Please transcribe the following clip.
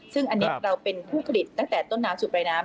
ซึ่งอันนี้เราเป็นผู้ผลิตตั้งแต่ต้นน้ำสูบรายน้ำ